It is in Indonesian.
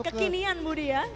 kekinian budi ya